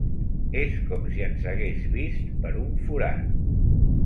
És com si ens hagués vist per un forat.